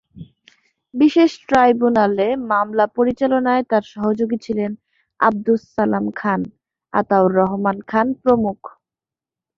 বিশেষ ট্রাইব্যুনালে মামলা পরিচালনায় তাঁর সহযোগী ছিলেন আবদুস সালাম খান, আতাউর রহমান খান প্রমুখ।